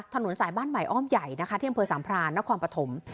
ถนนสายบ้านใหม่อ้อมใหญ่นะคะที่อำเภอสามพรานนครปฐม